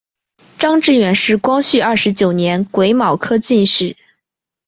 张智远是光绪二十九年癸卯科进士。